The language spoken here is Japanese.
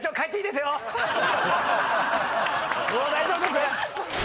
もう大丈夫です。